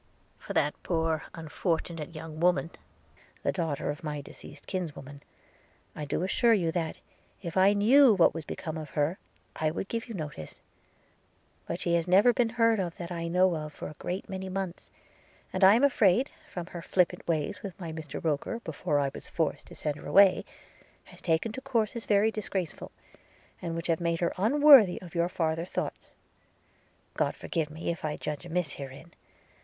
'For that poor unfortunate young woman, the daughter of my deceased kinswoman, I do assure you that, if I knew what was become of her, I would give you notice. But she has never been heard of that I know of for a great many months – and I am afraid, from her flippant ways with my Mr Roker before I was forced to send her away, has taken to courses very disgraceful, and which have made her unworthy of your farther thoughts. God forgive me if I judge amiss herein!